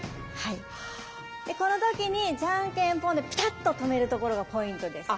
この時にじゃんけんぽんでピタッと止めるところがポイントです。